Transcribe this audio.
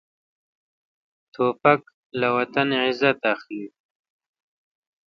توپک له وطن عزت اخلي.